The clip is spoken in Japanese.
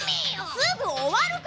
すぐおわるから！